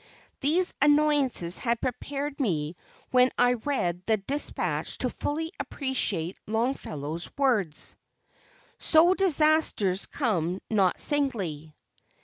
These annoyances had prepared me when I read the despatch to fully appreciate Longfellow's words, "So disasters come not singly."